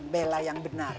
belah yang benar